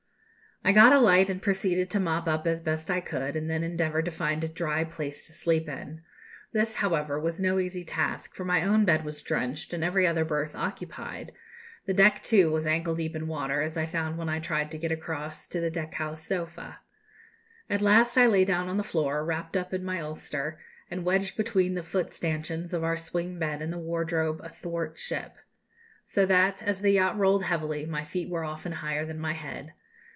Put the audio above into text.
"I got a light and proceeded to mop up as best I could, and then endeavoured to find a dry place to sleep in. This, however, was no easy task, for my own bed was drenched and every other berth occupied; the deck, too, was ankle deep in water, as I found when I tried to get across to the deck house sofa. At last I lay down on the floor, wrapped up in my ulster, and wedged between the foot stanchions of our swing bed and the wardrobe athwart ship; so that, as the yacht rolled heavily, my feet were often higher than my head.